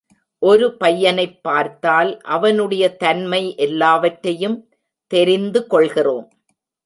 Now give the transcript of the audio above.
ஒரு பையனைப் பார்த்தால், அவனுடைய தன்மை எல்லாவற்றையும் தெரிந்து கொள்கிறோம்.